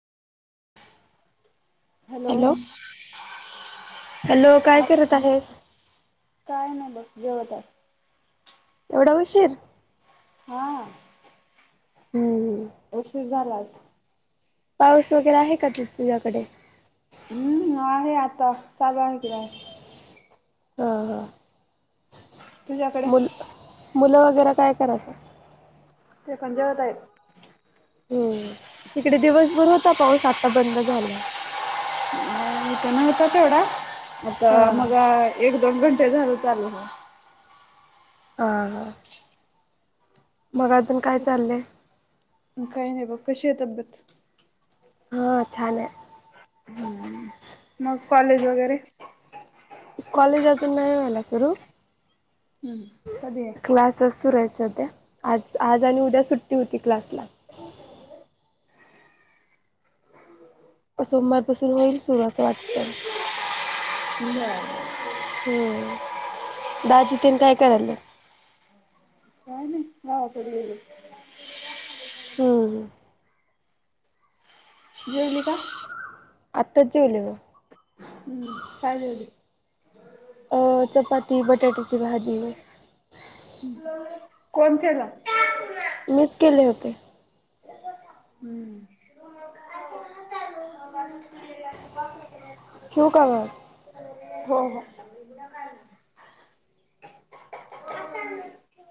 Hello! Hello काय आ करत आहेस? काय नाय बघ जेवताय एवढा उशीर? हा हम्म हम्म उशीर झाला आज पाऊस वगैरे आहे, का ति तुझ्याकडे? हम्म आहे आता चालू आहे की बाहेर हा हा तुझ्याकडे? मुलं मुलं वगैरे काय करायच? ते पण जेवत आहेत. तिकडे दिवसभर होता पाऊस, आता बंद झालाय अ इथे नव्हता तेवढा आता हा मगा एक दोन घंटे झालं चालू होऊन. हां हां मग अजून काय चाललंय? काही नाही बा कशी आहे तब्येत. हा छान आहे. हम्म मग कॉलेज वगैरे. कॉलेजाचून नाही व्हाला सुरू हम्म कधी आहे? क्लासेस सुरू आहेचे सध्या. आज आज आणि उद्या सुट्टी होती क्लासला. ह. [inaudible] सोमवारपासून होईल सुरू असं वाटतय. नाही. हम्म दाजिितन काय करायल. काय नाही वाव ब गली. हम्म. जेवल का. आत्ताच जेवले. हम्म कायलेते. अ चपाती बटाट्याची भाजी. कोण केला. मीस केले होते. हम्म. [unintelligible] ठेऊ का मग. हो हो.